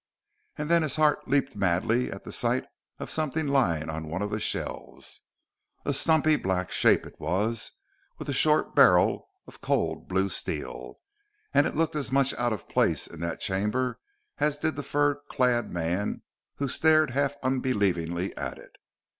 And then his heart leaped madly at the sight of something lying on one of the shelves. A stumpy black shape, it was, with a short barrel of cold blue steel, and it looked as much out of place in that chamber as did the fur clad man who stared half unbelievingly at it.